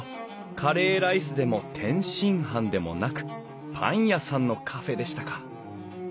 カレーライスでも天津飯でもなくパン屋さんのカフェでしたか。